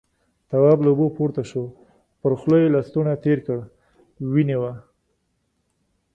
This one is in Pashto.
تواب له اوبو پورته شو، پر خوله يې لستوڼی تېر کړ، وينې وه.